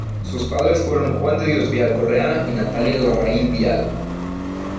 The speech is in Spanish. Sus padres fueron Juan de Dios Vial Correa y Natalia Larraín Vial.